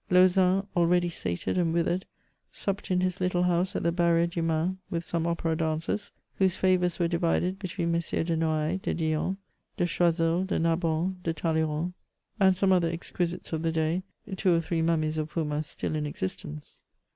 Lauzun, already sated and withered, supped in his little house at the barrier du Maine with some opera dancers, whose favours were divided between MM. de Noailles, de Dillon, de Choiseul, de Narbonne, de Talleyrand, and some other exquisites of the day, two or three mummies of whom are still in existence.